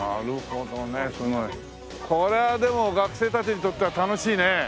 これはでも学生たちにとっては楽しいね。